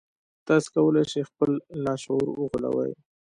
تاسې کولای شئ خپل لاشعور وغولوئ